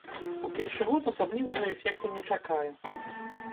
У першы год асаблівага эфекту не чакаю.